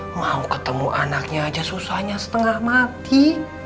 saya mau ketemu anaknya aja susahnya setengah mati